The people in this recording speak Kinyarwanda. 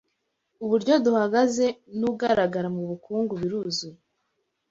Uburyo duhagaze n’ugaragara mubukungu biruzuye